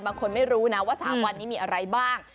บางคนไม่รู้นะว่า๓วันนี้มีอะไรบ้าง